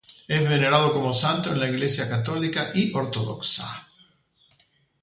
Es venerado como santo en la iglesia católica y ortodoxa.